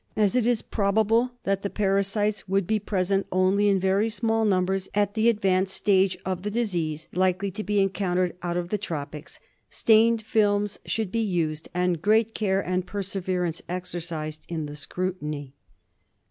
As it is probable that the parasites would be present only in very small numbers at the advanced stage of the disease likely to be encountered out of the tropics, stained films should be used, and great care and perseverance exercised in the scrutiny.